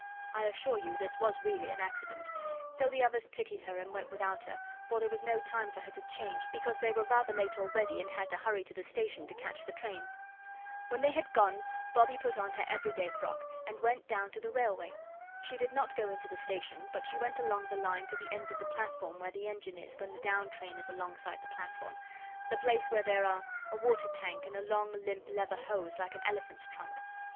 I assure you this was really an accident. So the others pitied her and went without her, for there was no time for her to change, because they were rather late already and had to hurry to the station to catch the train. When they had gone, Bobbie put on her everyday frock, and went down to the railway. She did not go into the station, but she went along the line to the end of the platform where the engine is when the down train is alongside the platform the place where there are a water tank and a long, limp, leather hose, like an elephant's trunk.